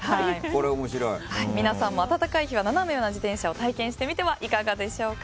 皆さんも暖かい日はナナメ上な自転車を体験してみてはいかがでしょうか。